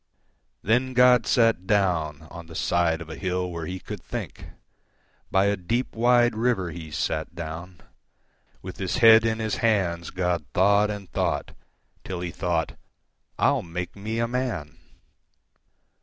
Then God sat downOn the side of a hill where He could think; By a deep, wide river He sat down; With His head in His hands, God thought and thought, Till He thought, "I'll make me a man!"